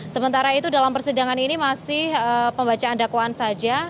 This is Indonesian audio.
sementara itu dalam persidangan ini masih pembacaan dakwaan saja